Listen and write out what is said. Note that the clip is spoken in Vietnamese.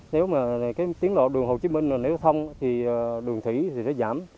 nếu mà cái tiến lộ đường hồ chí minh nếu giao thông thì đường thủy thì sẽ giảm